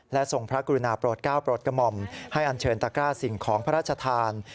และทรงพระกรุณาโปรดก้าวโปรดกระหม่อมให้อันเชิญตะกร้าสิ่งของพระราชทาน